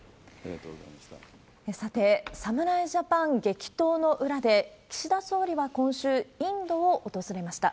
さて、侍ジャパン激闘の裏で、岸田総理は今週、インドを訪れました。